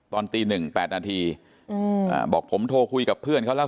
ตอนตีหนึ่งแปดนาทีบอกผมโทรคุยกับเพื่อนเขาแล้ว